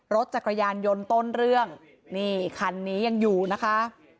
รถจักรยานยนต์ต้นเรื่องนี่คันนี้ยังอยู่นะคะ